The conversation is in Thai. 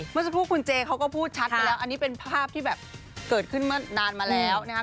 เมื่อสักครู่คุณเจเขาก็พูดชัดไปแล้วอันนี้เป็นภาพที่แบบเกิดขึ้นเมื่อนานมาแล้วนะครับ